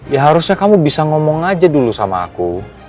ya harusnya kamu bisa ngomong aja dulu sama aku